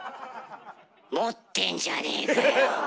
持ってんじゃねえかよ。